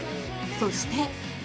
そして。